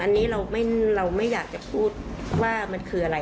อันนี้เราไม่อยากจะพูดว่ามันคืออะไร